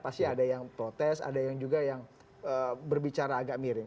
pasti ada yang protes ada yang juga yang berbicara agak miring